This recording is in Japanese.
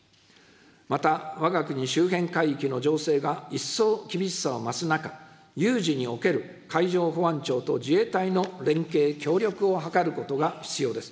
また、わが国周辺海域の情勢が一層厳しさを増す中、有事における海上保安庁と自衛隊の連携・協力を図ることが必要です。